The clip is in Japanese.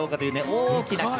大きな菊。